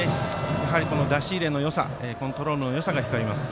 やはり出し入れのよさコントロールのよさが光ります。